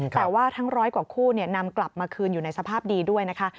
แต่ว่าทั้งร้อยกว่าคู่นำกลับมาคืนอยู่ในสภาพดีด้วยนะคะ